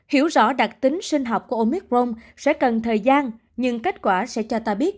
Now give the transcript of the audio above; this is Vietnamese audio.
hiểu rõ đặc tính sinh học của omicron sẽ cần thời gian nhưng kết quả sẽ cho ta biết